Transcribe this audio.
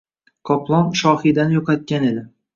Qoplon Shohidani yo‘qotgan edi